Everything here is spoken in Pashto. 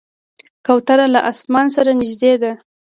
کوتره له اسمان سره نږدې ده.